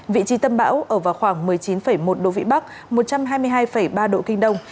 vị trí tâm bão ở vào khoảng một mươi chín một độ vĩ bắc một trăm hai mươi hai ba độ kinh đông